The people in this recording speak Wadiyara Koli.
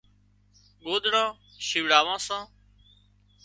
ڳوۮڙان شِوڙاوان سان